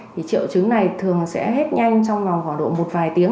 thì triệu chứng này thường sẽ hết nhanh trong vòng khoảng độ một vài tiếng